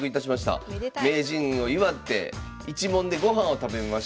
名人を祝って一門で御飯を食べました。